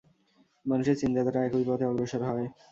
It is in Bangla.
মানুষের চিন্তাধারা একই পথে অগ্রসর হয়।